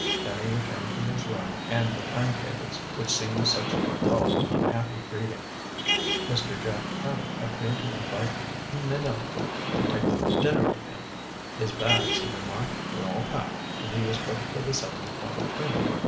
Then he returned to his room and the time tables, which seemed such dull unhappy reading. Mr. Jack Paddock appeared to invite Minot to take dinner with him. His bags, he remarked, were all packed, and he was booked for the seven o'clock train.